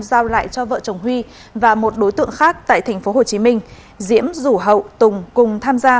giao lại cho vợ chồng huy và một đối tượng khác tại tp hcm diễm rủ hậu tùng cùng tham gia